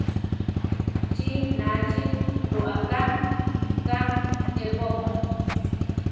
¿Chí nachi roʼaká kaʼébopa?